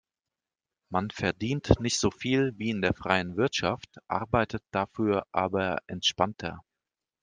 Man verdient nicht so viel wie in der freien Wirtschaft, arbeitet dafür aber entspannter.